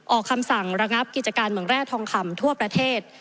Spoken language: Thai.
ออกคำสั่งระงับกิจการเมืองแร่ทองคำทั่วประเทศ